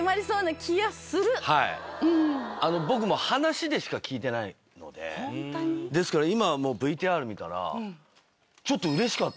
僕も話でしか聞いてないのでですから今ＶＴＲ見たらちょっと。